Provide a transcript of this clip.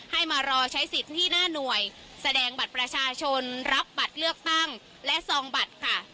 ให้มารอใช้สิทธิ์ที่หน้าหน่วยแสดงบัตรประชาชนรับบัตรเลือกตั้งและซองบัตรค่ะ